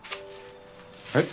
えっ？